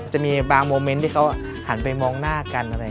จะมีบางโมเม้นท์ที่เขาหันไปมองหน้ากันอะไรอย่างนี้